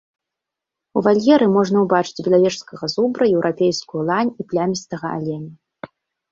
У вальеры можна ўбачыць белавежскага зубра, еўрапейскую лань і плямістага аленя.